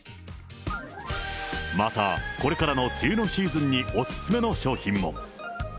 また、これからの梅雨のシーズンにお勧めの商品も。